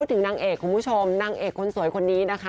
ถึงนางเอกคุณผู้ชมนางเอกคนสวยคนนี้นะคะ